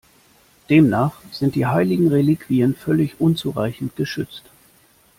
Demnach sind die heiligen Reliquien völlig unzureichend geschützt.